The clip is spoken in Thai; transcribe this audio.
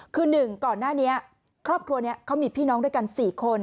คือ๑ก่อนหน้านี้ครอบครัวนี้เขามีพี่น้องด้วยกัน๔คน